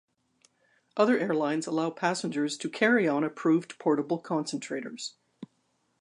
Other airlines allow passengers to carry on approved portable concentrators.